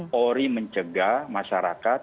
polri mencegah masyarakat